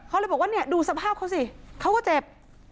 เขาเลยบอกว่าเนี่ยดูสภาพเขาสิเขาก็เจ็บ